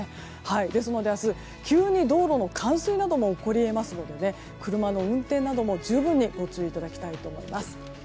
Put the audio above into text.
なので明日急に道路の冠水なども起こり得ますので車の運転なども十分にご注意いただきたいと思います。